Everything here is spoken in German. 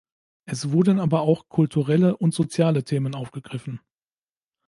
Es wurden aber auch kulturelle und soziale Themen aufgegriffen.